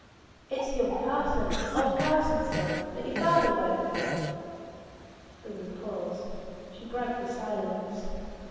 "It's young Carson, old Carson's son, that your father worked for." There was a pause. She broke the silence.